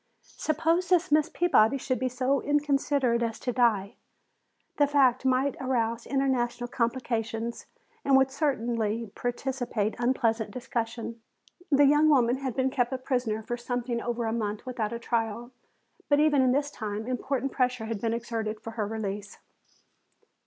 Suppose this Miss Peabody should be so inconsiderate as to die? The fact might arouse international complications and would certainly precipitate unpleasant discussion. The young woman had been kept a prisoner for something over a month without a trial, but even in this time important pressure had been exerted for her release.